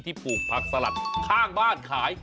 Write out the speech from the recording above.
ปลูกผักสลัดข้างบ้านขาย